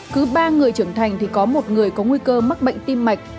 cứ ba người trưởng thành thì có một người có nguy cơ mắc bệnh tim mạch